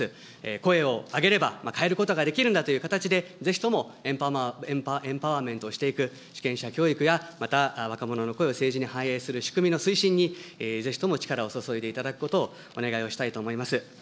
声を上げれば、変えることができるんだという形で、ぜひともエンパワーメントしていく主権者教育や、また、若者の声を政治に反映する仕組みの推進に、ぜひとも力を注いでいただくことをお願いをしたいと思います。